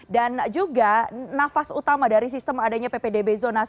dan juga nafas utama dari sistem adanya ppdb zonk